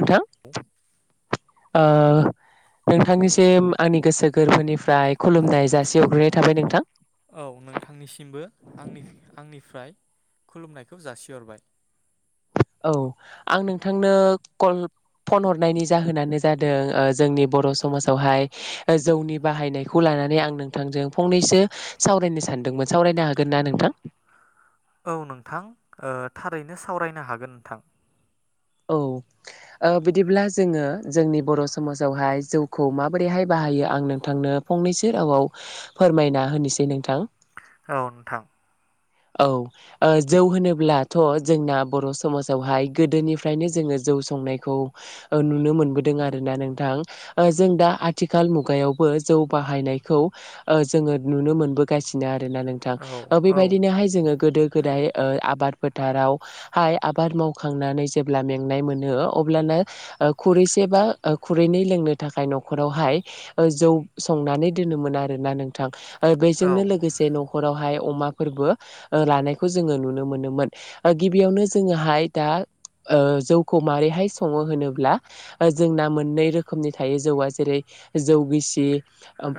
नोंथां आ नोंथांनिसिम आंनि गोसो गोरबोनिफ्राय खुलुमनाय जासि हरग्रोनाय थाबाय नोंथां औ नोंथांनिसिमबो आंनि आंनिफ्राय खुलुमनायखौ जासिहरबाय औ आं नोंथांनो कल फन हरनायनि जाहोनानो जादों ओ जोंनि बर' समाजावहाय जौनि बाहायनायखौ लानानै आं नोंथांजों फंनैसो सावरायनो सान नोंबो सावरायनो हागोन ना नोंथां। औ नोंथां ओ थारैनो सावरायनो हागोन नोंथां। औ। ओ बिदिब्ला जोंङो जोंनि बर' समाजावहाय जौखौ माबोरैहाय बाहायो आं नोंथांनो। फंनैसो रावआव फोरमायना होनोसै नोंथां। औ नोंथां। औ ओ जौ होनोब्लाथ' जोंना बर' समाजावहाय गोदोनिफ्रायनो जोङो। जौ संनायखौ ओ नुनो मोनबोदों आरोना नोंथां ओ जों दा आथिखाल मुगायावबो। बो जौ बाहायनायखौ ओ जोङो नुनो मोनबोगासिनो आरो। आरोना नोंथां औ ओ औ बेबायदिनोहाय जोङो गोदो गोदाय आबाद। फोथाराव हाय आबाद मावखांनानै जेब्ला मेंनाय मोनों अब्लानो ओ खुरैसे। एबा खुरैनै लोंनो थाखाय न'खरावहाय ओ जौ संनानै दोनोमोन आरोना नोंथां। ओ औ बेजोंनो लोगोसे न'खरावहाय अमा। फोरबो ओ लानायखौ जोङो नुनो मोनोमोन गिबियावनो जोङोहाय दा। ओ जौखौ माबैहाय सङो होनोब्ला जोंना मोननै रोखोमनि थायो जौआ जेरै। जौ गिसि।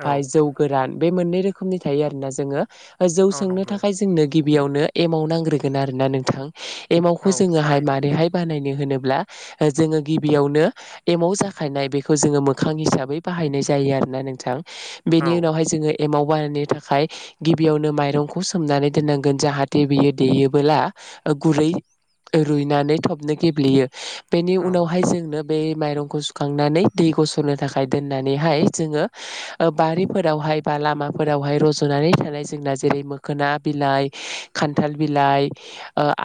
औ जौ गोरान बे मोननै रोखोमनि थायो आरोना जोङो जौ औ सोंनो नंगौ थाखाय जोंनो गि। बियावनो एमाव नांग्रोगोन आरोना नोंथां औ एमावखौ जोङोहाय थारैनो मारैहाय बानाय। नोब्ला जोङो गिबियावनो एमाव जाखायनाय बेखौ जोङो मोखां हिसाबै बाहायनाय। जायो आरोना नोंथां औ बेनि उनाव जोङो एमाव बानायनो थाखाय गिबियावनो माइरं। खौ सोमनानै दोननांगोन जाहाथे बियो देयोबोला ओ गुरै। रुइनानै थबनो गेब्लेयो बेनि औ उनावहाय जोंनो। बे माइरंखौ सुखांनानै दै गस'नो थाखाय दोननानैहाय जोङो बारिफोरावहाय। हाय बा लामाफोरावहाय रज'नानै थानाय जोंना जेरै मो खोना बिलाइ खान्थाल बिलाइ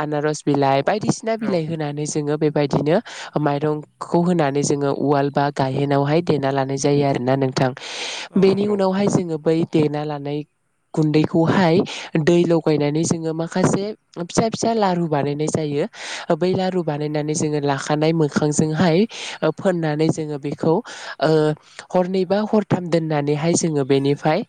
आनारस बिलाइ। बायदिसिना औ बिलाइ होनानै जोङो बे बायदिनो माइरंखौ होनानै जोङो उवाल बा गायेनावहाय देना लानाय जायो आरोना नोंथां। औ बेनि नंगौ उनावहाय जोङो बै देना लानाय गुन्दैखौहाय। दै लगायनानै जोङो माखासे फिसा फिसा लारु बानायनाय जायो बै लारु बानाय जोङो लाखानाय मोखांजोंहाय ओ फोन्नानै जोङो बेखौ ओ। हरनै बा हरथाम दोननानैहाय जोङो बेनिफ्राय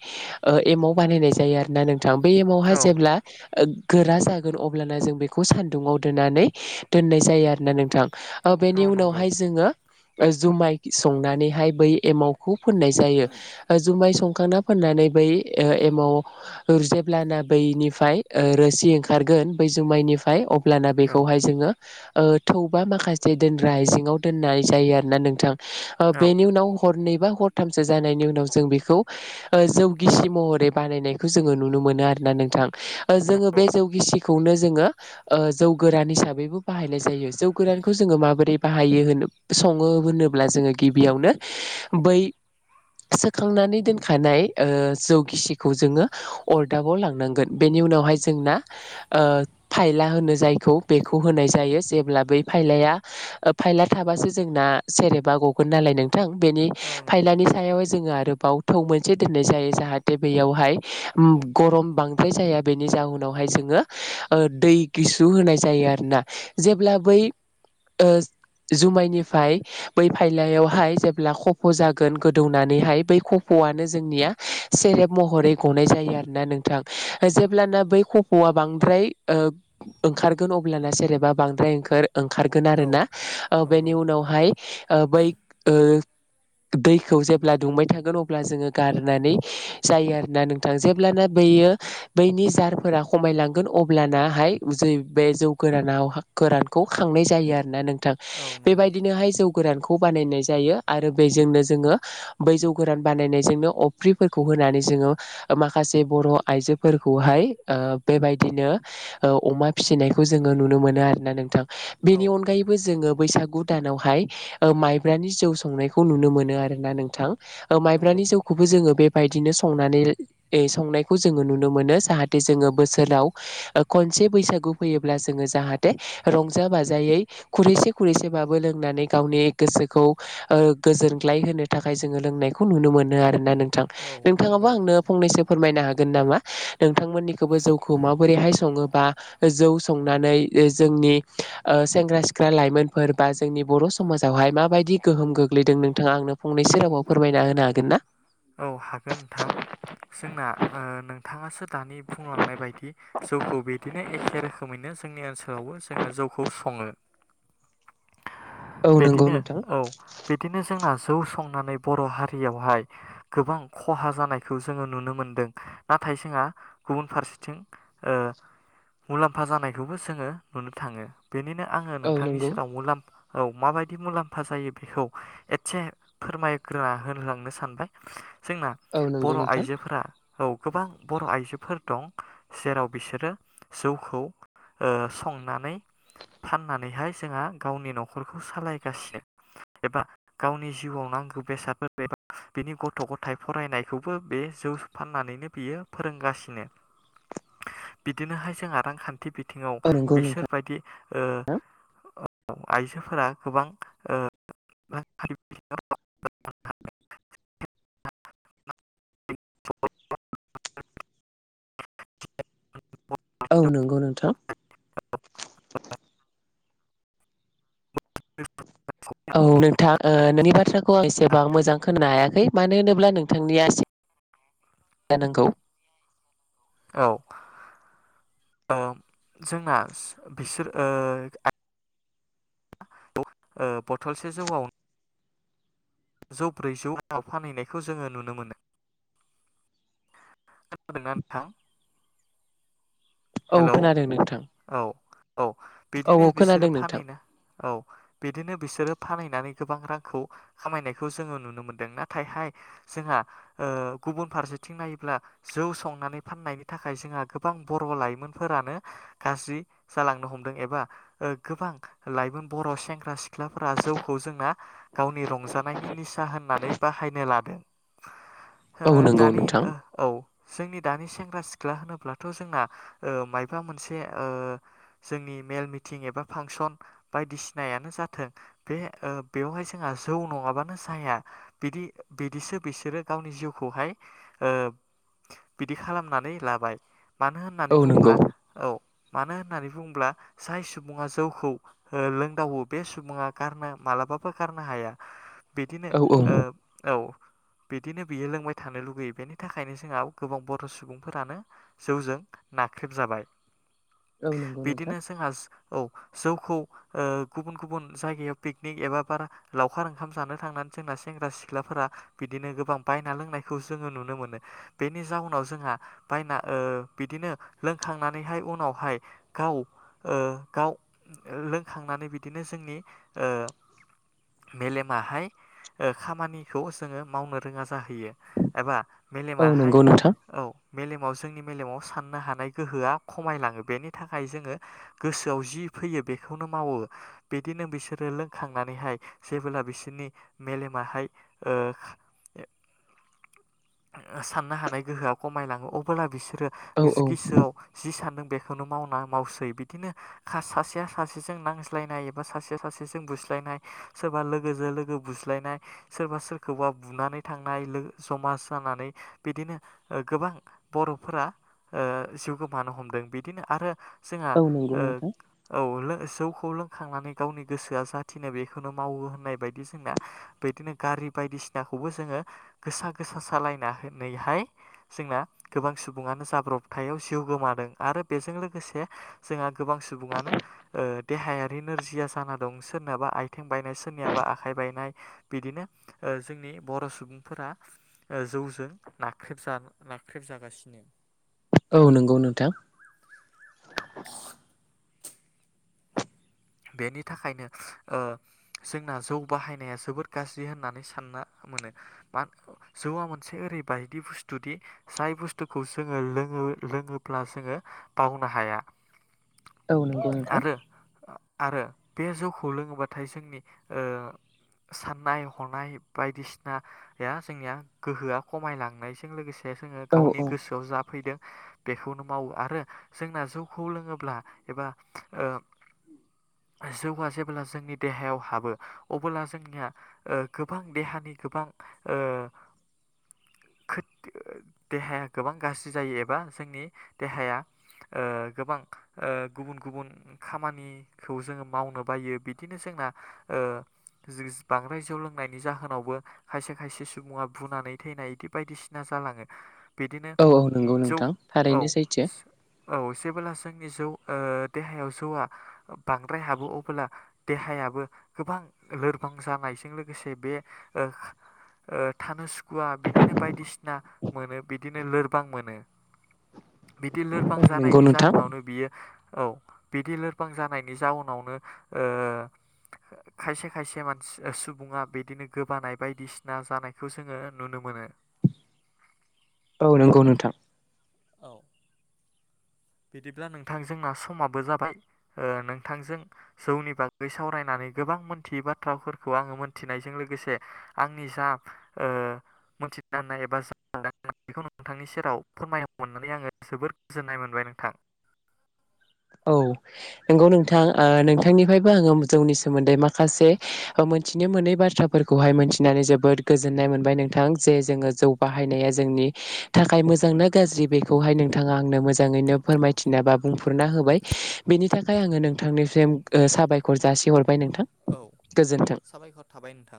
एमाव बानायनाय जायो आरोना नों बै औ एमावहा जेब्ला ओ। गोरा जागोन अब्लाना जों बेखौ सानदुंङाव दोननानै दोननाय जायो आरोना नोंथां। ओ औ बेनि नंगौ उनावहाय जोङो। जुमाय संनानैहाय बै एमावखौ फोननाय जायो जुमाय संखांना फोन नानै बै ओ एमाव। जेब्लाना बैनिफ्राय ओ रोसि ओंखारगोन बै जुमाइनिफ्राय अ ब्लाना औ नंगौ औ बेखौहाय जोङो थौबा माखासे दोनग्रा आइजेंआव दोननाय जायो आरोना नोंथां। बेनि उनाव। हरनै बा हरथामसो जानायनि उनाव जों बेखौ ओ जौगिसि महरै बानायनाय। खौ जोंङो नुनो मोनो आरोना नोंथां ओ जोङो बे जौ गिसि खौनो जोङो ओ जौ गोरान हिसाबैबो बाहायनाय जायो जौ गोरानखौ जोङो माबोरै बाहायो होनो। सङो होनोब्ला जोङो गिबियावनो बै सोखांनानै दोनखानाय ओ जौ गिसिखौ जोङो। अरदाबाव लांनांगोन बेनि उनावहाय जोंना ओ फायला होनो जायखौ बेखौ होनाय जायो जेब्ला बे फायलाया फायला थाबासो जोंना सेरेबा गगोन नालाय नों थां बेनि औ नंगौ फायलानि सायाव जोङो आरोबाव थौ मोनसे दोननाय जायो जाहाथे बैयावहाय। गरम बांद्राय जाया बेनि जाहोनावहाय जोङो ओ दै गिसु होनाय जायो। आरोना जेब्ला बै ओ जुमायनिफ्राय बै फाइलायावहाय जेब्ला खफ' जागोन गोदौनानैहाय बै खफ' नो जोंनिया सेरेब महरै गनाय जायो आरोना नोंथां जेब्लाना बै खफ'आ बांद्राय ओंखारगोन। अब्लाना सेरेबा बांद्राय ओंखार ओंखारगोन औ आरोना बेनि नंगौ औ नंगौ उनावहाय बै दैखौ जेब्ला दुंबाय थागोन अब्ला जोङो गारनानै जायो आरो ना नोंथां जेब्लाना बैयो बैनि जारफोरा खमायलांगोन अब्लानाहाय ज बे जौ गोरानाव गोरानखौ खांनाय जायो आरोना नोंथां औ नंगौ बेबायदिनोहाय जौ गोरानखौ खौ बानायनाय जायो आरो बेजोंनो जोङो बैजौ गोरान बानायनायजोंनो अफ्रिफोरखौ होनानै जोङो माखासे बर' आइजोफोरखौहाय ओ बेबायदिनो अमा फिसिनायखौ खौ जोङो नुनो मोनो आरोना नोंथां बेनि अनगायैबो जोङो बैसागु दानावहाय ओ माइब्रानि जौ संनायखौ नुनो मोनो आरोना नोंथां माइब्रानि जौखौबो जोङो बेबायदिनो संनानै संनायखौ जोङो नुनो मोनो जाहाथे जोङो बोसोराव खनसे बैसागु फैयोब्ला जोङो जाहाथे रंजा बाजायै खुरैसे खुरैसेबाबो लोंनानै गावनि गोसोखौ ओ गोजोनग्लाय होनो थाखाय जोङो लोंनायखौ नुनो मोनो आरोना नों थां औ नोंथाङाबो नंगौ आंनो फंनैसो फोरमायनो हागोन नामा नोंथांमोननि बो जौखौ उम माबोरैहाय सङो बा जौ संनानै जोंनि ओ सेंग्रा सिख्ला लाइमोनफोर बा जोंनि बर' समाजावहाय फ्राय माबायदि गोहोम गोग्लैदों नोंथाङा आंनो फंनैसो राव फोरमायना होनो हागोन ना? औ हागोन नोंथां। जोंना ओ नोंथाङासो दानि बुंलांनाय बायदि जौखौ बिदिनो एखे रोखोमैनो जोंनि ओनसोलावबो जोङो जौखौ सङो। [inaudible] औ नंगौ बिदिनो नोंथां औ बिदिनो जोंना जौ संनानै बर' हारियावहाय गोबां खहा जानायखौ जोङो नुनो मोनदों नाथाय जोंहा गुबुन फारसेथिं ओ मुलाम्फा जानायखौबो जोङो नुनो थाङो बेनिनो आंङो औ नोंथांनि नंगौ सेराव मुलाम्फा औ माबायदि मुलाम्फा जायो बेखौ एसे फोरमायग्रोना होनोलांनो सानबाय। जोंना औ नंगौ बर' नोंथां आइजोफोरा औ गोबां बर' आइजोफोर दं जेराव बिसोरो जौखौ ओ संनानै फाननानैहाय जोंहा गावनि न'खरखौ सालायगासिनो एबा गावनि जिउआव ना गौ बेसादफोर [inaudible] बिनि गथ' गथाय फरायनायखौबो बे जौ फाननानैनो बियो फोरोंगासिनो। बिदिनोहाय जोंहा रांखान्थि थि बिथिङाव औ नंगौ नोंथां बिसोरबायदि ओ औ आइजोफोरा गोबां ओ [inaudible] [unintelligible] औ नंगौ नोंथां। औ नोंथां नोंनि बाथ्राखौ आं एसेबां मोजां खोनानो हायाखै। मानो होनोब्ला नोंथांनि आसि जानांगौ। औ। अ जोंना बिसोर ओ आइ बथलसे जौआव जौ ब्रैजौ उनाव फानहैनायखौ जोङो नुनो मोनो। खोनादों ना नोंथां? औ हेलौ खोनादों नोंथां। औ। औ औ बिदिनो औ बिसोरो खोनादों नोंथां फानहैना औ बिदिनो बिसोरो फानहैनानै गोबां रांखौ खामायनायखौ जोङो नुनो मोनदों नाथायहाय जोंहा ओ गुबुन फारसे थिं नायोब्ला जौ संनानै फाननायनि थाखाय जोंहा गोबां बर' लाइमोन फोरानो गाज्रि जालांनो हमदों एबा गोबां लाइमोन बर' सेंग्रा सिख्लाफोरा जौखौ जोंना गावनि रंजानायनि निसा होननानै बाहायनो लादों। [inaudible] नंगौ दानि नोंथां औ जोंनि दानि सेंग्रा सिख्ला होनोब्लाथ' जोंना मबा मोनसे जोंनि मेल मिटिं एबा फांसन बायदिसिनायानो। [inaudible] जोंहा जौ नङाबानो जाया बि बिदिसो बिसोरो गावनि जिउखौहाय बिदि खालामनानै लाबाय, मानो होनोब्ला? औ नंगौ बुंब्ला औ मानो होननानै बुङोब्ला? जाय सुबुङा जौखौ लोंदावो बे सुबुङा गारनो मालाबाबो मालाबाबो गारनो हाया बिदिनो औ औ औ। बिदिनो बियो लोंबाय थानो लुगैयो बेनि थाखायनो जोंहा गोबां बर' सुबुंफोरानो जौजों नाख्रेब जाबाय, औ नंगौ नोंथां बिदिनो जोंहा औ जौखौ गुबुन गुबुन जायगायाव पिकनिक एबा बारा लावखार ओंखाम जानो थांनानै जोंना सेंग्रा सिख्लाफोरा बिदिनो गोबां बायना लोंनायखौ जोङो नुनो मोनो बेनि जाउनाव जोंहा बायना बिदिनो लोंखांनानैहाय उनावहाय गाव गाव लोंखांनानै बिदिनो जोंनि मेलेमाहाय खामानिखौ जोङो मावनो रोङा जाहैयो एबा औ मेलेमहाय नंगौ नोंथां औ मेलेमाव जोंनि मेलेमाव साननो हानाय। गोहो खमायलाङो बेनि थाखाय जोङो गोसोआव जि फैयो बेखौनो मावो बिदिनो बिसोरो लोंखांनानैहाय जेबोब्ला बिसोरनि मेलेमाहाय साननो हानाय गोहोआ खमायलाङो अबोला बिसोर औ औ गोसोआव जि सानो बेखौनो माव मावसै बिदिनो सासेया सासेजों नांज्लायनाय एबा सासेया सासेजों बुज्लायनाय बुज्लायनाय सोरबा लोगोजों लोगो बुज्लायनाय सोरबा सोरखौबा बुनानै थांनाय लोगो जमा जानानै बिदिनो गोबां बर'फोरा जिउ गोमानो हमदों बिदिनो आरो जोंहा औ नंगौ नोंथां औ जौखौ लोंखांनानै गावनि गोसोआ जा थिनो बेखौनो मावो होननाय बायदि जोंना बिदिनो गारि बायदिसिनाखौबो जोङो- गोसा गोसा सालायना होनानैहाय जोंना गोबां सुबुङानो जाब्रबथायाव जिउ गोमा आरो बेजों लोगोसे जोंहा गोबां सुबुङानो देहायारि नोरजिया जाना दं। सोरनाबा आथिं बायनाय सोरनियाबा आखाइ बायनाय बिदिनो जोंनि बर' सुबुं फोरा जौजों नाख्रेब नाख्रेब जागासिनो। औ नंगौ नोंथां। बेनि थाखायनो जोंना जौ बाहायनाया जोबोद गाज्रि होननानै सानना मोनो बात जौआ मोनसे ओरैबायायदि बुस्थुदि जाय बुस्थुखौ जोङो लोङो लोङोब्ला जोङो बावनो हाया। औ नंगौ नोंथां। आरो आरो बे जौखौ लोङोबाथाय जोंनि साननाय हनाय बायदिसिनाया जोंनिया गोहोआ खमायलांनायजों लोगोसे जोङो औ गावनि औ गोसोआव जा फैदों बेखौनो मावो आरो जोंना जौखौ लोङोब्ला एबा जौआ जेब्ला जोंनि देहायाव हाबो अबोब्ला जोंनिया गोबां देहानि गोबां [inaudible] देहाया गोबां गाज्रि जायो एबा जोंनि देहाया गोबां गुबुन गुबुन खामानि खौ जोङो मावनो बायो बिदिनो जोंना जों बांद्राय जौ लोंनायनि जाहोनावबो खायसे खायसे सुबुङा बुनानै थैनाय इदि बिदि बायदिसिना जालाङो बिदिनो औ औ ओम नंगौ जौ नोंथां और थारैनो सैथो स' औ स' जेबोब्ला जोंनि जौ ओ देहायाव जौआ ओम बांद्राय हाबो अबोला देहायाबो गोबां लोरबां जानायजों लोगोसे बे ओ [unintelligible] ओ थानो सुखुवा बिदिनो बायदिसिना मोनो बिदिनो लोरबां मोनो। बिदि लोरबां औ नंगौ जानायनि नोंथां जाउनावनो बियो औ बिदि लोरबां जानाय नि जाउनावनो ओ खायसे खायसे मानसि ओ सुबुङा बिदिनो गोबानाय बायदिसिना जानायखौ जोङो नुनो मो मोनो। औ नंगौ नोंथां। औ बिदिब्ला नोंथां जोंना समाबो जाबाय ओ नोंथांजों जौनि बागै सावरायना नै गोबां मोनथियै बाथ्राफोरखौ आङो मोनथिनायजों लोगोसे आंनि जा ओ मिथिनो होननाय एबा जनाय बेखौ नोंथांनि सेराव फोरमाय मोननानै आङो जोबोर गोजोननाय मोनबाय नों थां। औ नंगौ नोंथां ओ नोंथांनिफ्रायबो आङो जौनि सोमोन्दै माखासे मो थिनो मोनै बाथ्राफोरखौहाय मिथिनानै जोबोद गोजोननाय मोनबाय नोंथां जे जोङो जौ बाहायनाया जों नि थाखाय मोजांना गाज्रि बेखौहाय नोंथाङा आंनो मोजाङैनो फोरमायथिना बा बुंफोरुरना हो बाय बेनि थाखाय आङो नोंथांनिसिम साबायखर जासिहर बाय नोंथां औ गोजोन्थों। साबायखर थाबाय नोंथां।